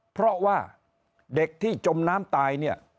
เพราะว่าเด็กที่จมน้ำตายเนี่ย